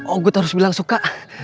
ogut harus bilang suka